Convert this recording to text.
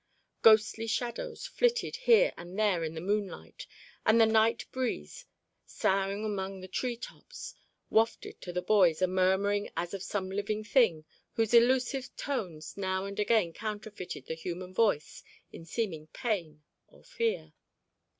Ghostly shadows flitted here and there in the moonlight; and the night breeze, soughing among the tree tops, wafted to the boys a murmuring as of some living thing whose elusive tones now and again counterfeited the human voice in seeming pain or fear.